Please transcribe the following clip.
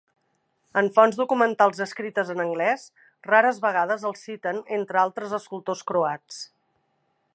En fonts documentals escrites en anglès, rares vegades el citen entre altres escultors croats.